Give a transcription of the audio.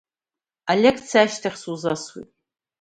Алекциа ашьҭахь сузасуеит.